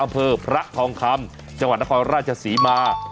อำเภอพระทองคำจังหวัดนครราชศรีมา